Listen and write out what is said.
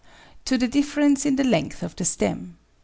To the difference in the length of the stem.